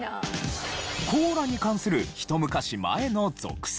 コーラに関するひと昔前の俗説。